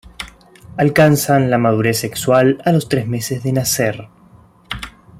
Alcanzan la madurez sexual a los tres meses de nacer.